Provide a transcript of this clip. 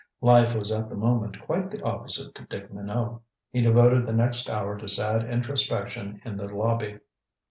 Life was at the moment quite the opposite to Dick Minot. He devoted the next hour to sad introspection in the lobby.